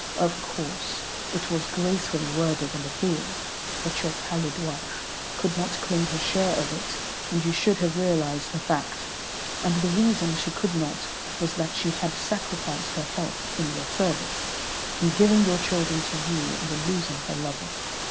Of course it was gracefully worded in the plural, but your pallid wife could not claim her share of it, and you should have realized the fact. And the reason she could not was that she had sacrificed her health in your service, in giving your children to you, and in losing her lover.